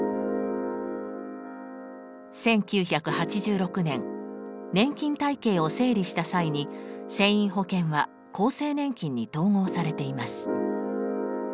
１９８６年年金体系を整理した際に船員保険は厚生年金に統合されています。